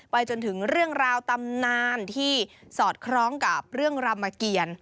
จนถึงเรื่องราวตำนานที่สอดคล้องกับเรื่องรามเกียร